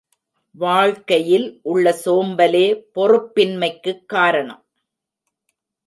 வாழ்க்கையில் உள்ள சோம்பலே பொறுப்பின்மைக்குக் காரணம்.